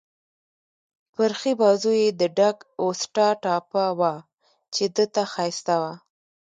پر ښي بازو يې د ډک اوسټا ټاپه وه، چې ده ته ښایسته وه.